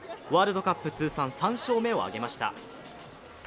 ワールドカップ通算３勝目を挙げました。